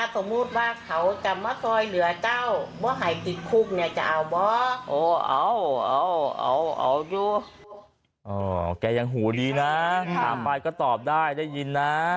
แกยังหูดีนะถามไปก็ตอบได้ได้ยินนะ